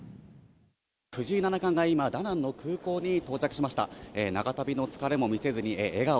藤井七冠が今、ダナンの空港に到着しました。